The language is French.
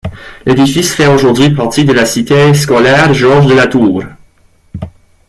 L'édifice fait aujourd'hui partie de la Cité scolaire Georges-de-La-Tour.